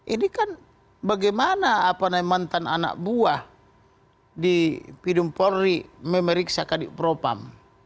ini kan bagaimana apanai mantan anak buah di pidumpolri memeriksa kadipropam